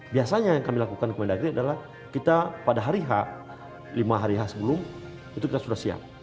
biasanya yang kami lakukan ke mendagri adalah kita pada hari h lima hari h sebelum itu kita sudah siap